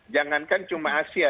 jangankan cuma asia